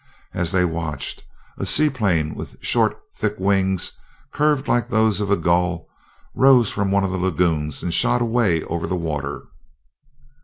As they watched, a seaplane with short, thick wings curved like those of a gull, rose from one of the lagoons and shot away over the water.